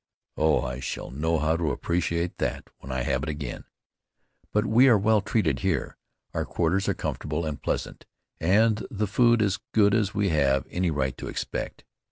Oh! I shall know how to appreciate that when I have it again. But we are well treated here. Our quarters are comfortable and pleasant, and the food as good as we have any right to expect.